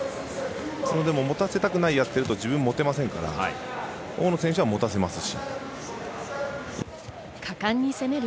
持たせたくないのをやってると、自分持てませんから、大野選手は持たせますし。